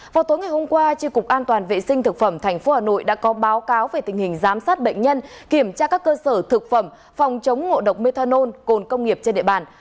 vào tối ngày hôm qua tri cục an toàn vệ sinh thực phẩm tp hà nội đã có báo cáo về tình hình giám sát bệnh nhân kiểm tra các cơ sở thực phẩm phòng chống ngộ độc methanol cồn công nghiệp trên địa bàn